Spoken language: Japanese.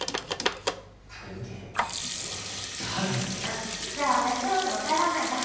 あっじゃあ私そろそろ帰らないと。